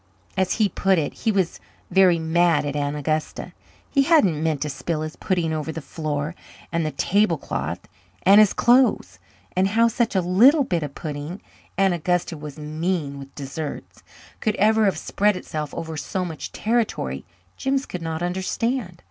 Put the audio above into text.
As he put it, he was very mad at Aunt Augusta. He hadn't meant to spill his pudding over the floor and the tablecloth and his clothes; and how such a little bit of pudding Aunt Augusta was mean with desserts could ever have spread itself over so much territory Jims could not understand.